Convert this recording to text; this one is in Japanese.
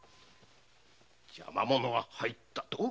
邪魔者が入った？